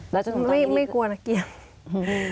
แล้วจนตอนนี้คือไม่กลัวนักเกียรติ